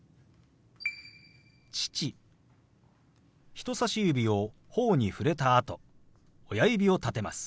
人さし指をほおに触れたあと親指を立てます。